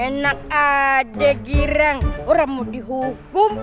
enak aja girang orang mau dihukum